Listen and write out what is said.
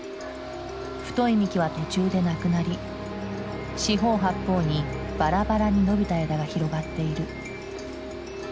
太い幹は途中でなくなり四方八方にバラバラに伸びた枝が広がっている。